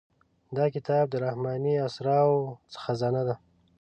دا کتاب د رحماني اسرارو خزانه ده.